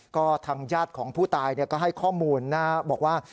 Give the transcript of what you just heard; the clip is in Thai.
ก็ทางญาติของผู้ตายก็ให้ข้อมูลนะครับบอกว่า